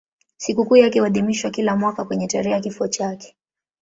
Sikukuu yake huadhimishwa kila mwaka kwenye tarehe ya kifo chake.